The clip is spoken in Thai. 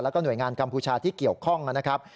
แล้วก็หน่วยงานกัมพูชาที่เกี่ยวข้องนะครับ